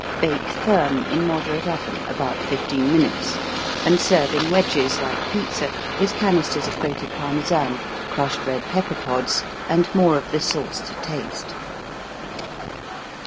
Bake firm in moderate oven, about 15 minutes, and served in wedges like pizza, with canisters of grated Parmesan, crushed red pepper pods and more of the sauce to taste.